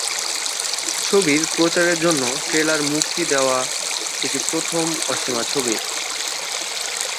ছবির প্রচারের জন্য ট্রেলার মুক্তি দেওয়া এটি প্রথম অসমীয়া ছবি।